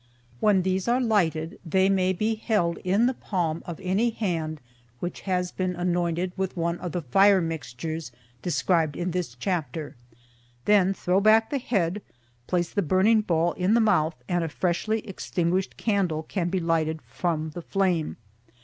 When these are lighted they may be held in the palm of any hand which has been anointed with one of the fire mixtures described in this chapter. Then throw back the head, place the burning ball in the mouth, and a freshly extinguished candle can be lighted from the flame.